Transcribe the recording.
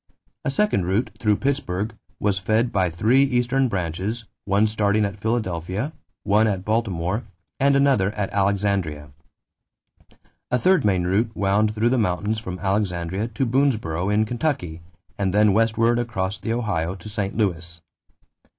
A second route, through Pittsburgh, was fed by three eastern branches, one starting at Philadelphia, one at Baltimore, and another at Alexandria. A third main route wound through the mountains from Alexandria to Boonesboro in Kentucky and then westward across the Ohio to St. Louis.